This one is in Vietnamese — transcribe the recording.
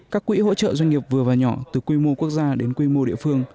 các quỹ hỗ trợ doanh nghiệp vừa và nhỏ từ quy mô quốc gia đến quy mô địa phương